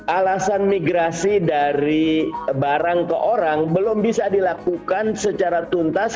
alasan migrasi dari barang ke orang belum bisa dilakukan secara tuntas